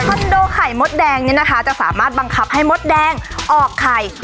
โดไข่มดแดงเนี่ยนะคะจะสามารถบังคับให้มดแดงออกไข่